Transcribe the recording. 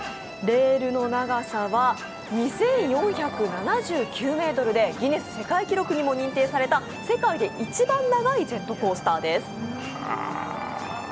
レールの長さは２４７９ｍでギネス世界記録にも認定された世界で一番長いジェットコースターです。